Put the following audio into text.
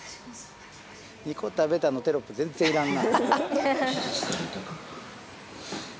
「２個食べた」のテロップ全然いらんな。